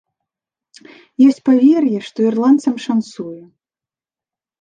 Ёсць павер'е, што ірландцам шанцуе.